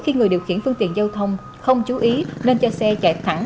khi người điều khiển phương tiện giao thông không chú ý nên cho xe chạy thẳng